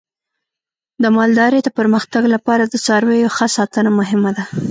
د مالدارۍ د پرمختګ لپاره د څارویو ښه ساتنه مهمه ده.